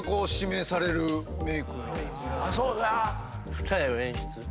二重を演出？